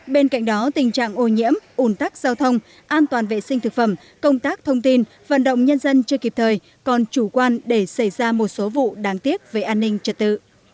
bên cạnh đó tình trạng ô nhiễm ủn tắc giao thông an toàn vệ sinh thực phẩm công tác thông tin vận động nhân dân chưa kịp thời còn chủ quan để xảy ra một số vụ đáng tiếc về an ninh trật tự